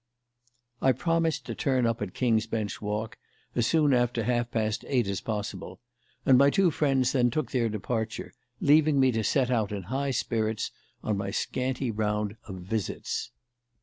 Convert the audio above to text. I promised to turn up at King's Bench Walk as soon after half past eight as possible, and my two friends then took their departure, leaving me to set out in high spirits on my scanty round of visits.